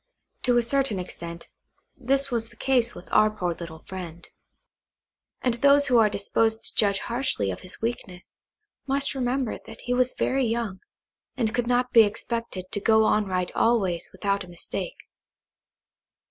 To a certain extent, this was the case with our poor little friend; and those who are disposed to judge harshly of his weakness, must remember that he was very young, and could not be expected to go on right always without a mistake.